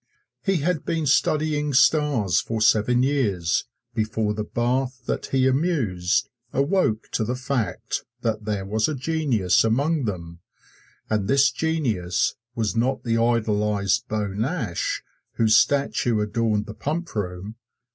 He had been studying stars for seven years before the Bath that he amused awoke to the fact that there was a genius among them. And this genius was not the idolized Beau Nash whose statue adorned the Pump Room!